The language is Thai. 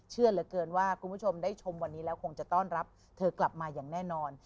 เชื่อเหลือเกินว่าคุณผู้ชมได้ชมวันนี้แล้วคงจะต้อนรับเธอกลับมาอย่างแน่นอน